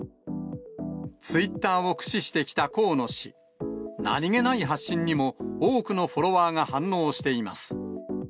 ツイッターを駆使してきた河野氏、何気ない発信にも、多くのフォロワーが反応しています。